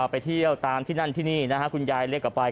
ไปเที่ยวตามที่นั่นที่นี่นะคุณยายเรียก